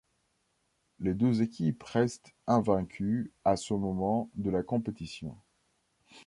Les deux équipes restent invaincues à ce moment de la compétition.